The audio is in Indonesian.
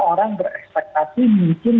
orang berekspektasi mungkin